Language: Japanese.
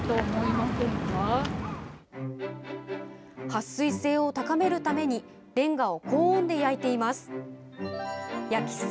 はっ水性を高めるためにレンガを高温で焼いています。